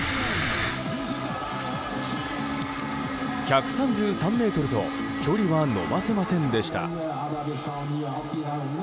１３３ｍと距離は伸ばせませんでした。